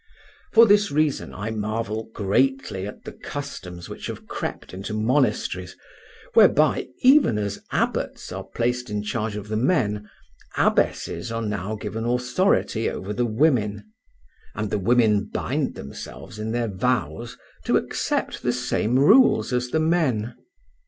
For this reason I marvel greatly at the customs which have crept into monasteries, whereby, even as abbots are placed in charge of the men, abbesses now are given authority over the women, and the women bind themselves in their vows to accept the same rules as the men.